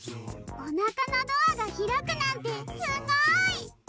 おなかのドアがひらくなんてすごい！